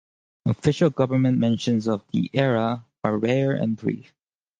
Official government mentions of the era are rare and brief.